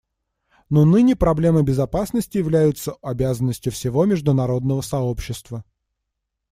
Но ныне проблемы безопасности являются обязанностью всего международного сообщества.